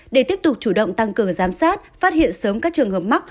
để tiếp tục chủ động tăng cường giám sát phát hiện sớm các trường hợp mắc